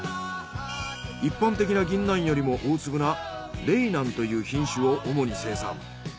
一般的なギンナンよりも大粒な嶺南という品種を主に生産。